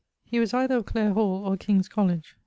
He was either of Clare hall or King's Colledge.